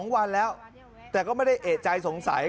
๒วันแล้วแต่ก็ไม่ได้เอกใจสงสัย